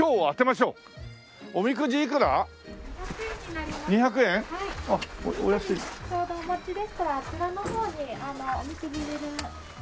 ちょうどお持ちでしたらあちらの方にお金を入れる穴がありますので。